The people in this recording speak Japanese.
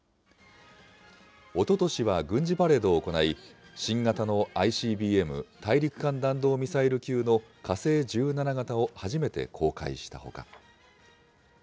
おととしは軍事パレードを行い、新型のＩＣＢＭ・大陸間弾道ミサイル級の火星１７型を初めて公開したほか。